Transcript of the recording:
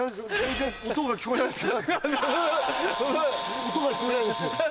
音が聞こえないです。